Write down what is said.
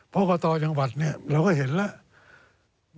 เพราะกรกตจังหวัดเราก็เห็นแล้ว